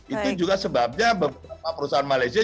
itu juga sebabnya beberapa perusahaan malaysia